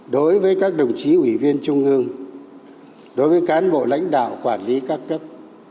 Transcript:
đối với các đồng chí ủy viên trung ương đối với cán bộ lãnh đạo quản lý các cấp